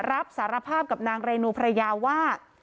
รับสารภาพกับนางเรนูภรรยาว่า